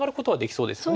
そうですね。